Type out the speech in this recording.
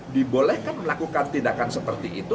dibolehkan melakukan tindakan seperti itu